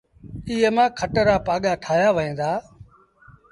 ايئي مآݩ کٽ رآ پآڳآ ٺآهيآ وهيݩ دآ۔